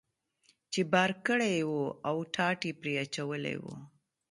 چې بار کړی یې و او ټاټ یې پرې اچولی و.